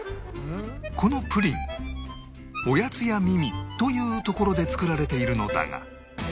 このプリンおやつやみみという所で作られているのだが